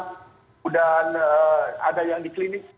kemudian ada yang di klinik